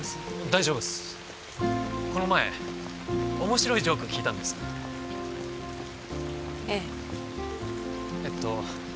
大丈夫っすこの前面白いジョーク聞いたんですえええっと